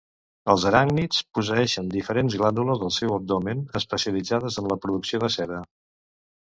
Els aràcnids posseeixen diferents glàndules al seu abdomen, especialitzades en la producció de seda.